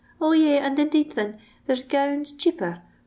0, yis, and indeed thin, there *b gowns chaper, id.